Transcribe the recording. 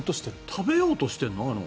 食べようとしているの？